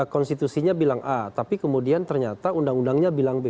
konstitusinya bilang a tapi kemudian ternyata undang undangnya bilang b